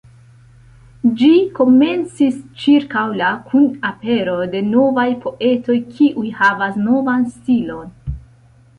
Ĝi komencis ĉirkaŭ la kun apero de novaj poetoj kiuj havas novan stilon.